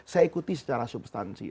saya ikuti secara substansi